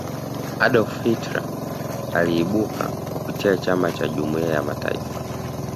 adolf hitler aliibuka kupitia chama cha jumuiya ya mataifa